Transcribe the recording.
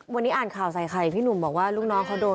วันนี้อ่านข่าวใส่ไข่พี่หนุ่มบอกว่าลูกน้องเขาโดน